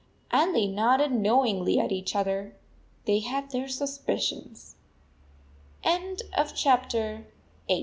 And they nodded knowingly at each other. They had their suspicions. IX